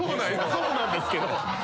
そうなんですけど。